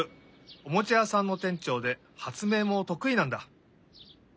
おもちゃやさんのてんちょうではつめいもとくいなんだ！